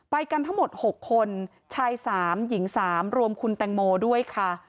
ไปกันทั้งหมด๖คนชาย๓หญิง๓รวมคุณแตงโมด้วยค่ะ